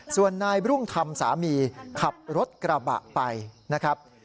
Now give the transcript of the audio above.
ส่วนนายรุ่งธรรมสามีขับรถกระบะไปนะครับ